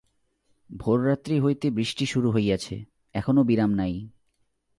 ভোররাত্রি হইতে বৃষ্টি শুরু হইয়াছে, এখনো বিরাম নাই।